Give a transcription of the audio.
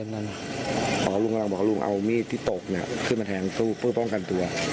อ๋อลุงกำลังบอกว่าลุงเอามีดที่ตกขึ้นมาแทงสู้เพื่อป้องกันตัว